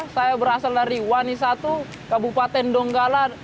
saya berasal dari wani satu kabupaten donggala